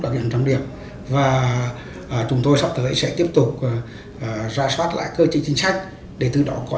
đặc biệt trắng điểm và chúng tôi sắp tới sẽ tiếp tục ra soát lại cơ chế chính sách để từ đó có